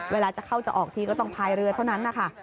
เวลาจะเข้าจะออกทีก็ต้องพายเรือเท่านั้นนะคะ